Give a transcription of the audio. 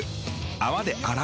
泡で洗う。